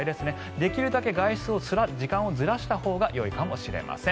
できるだけ外出する時間をずらしたほうがよいかもしれません。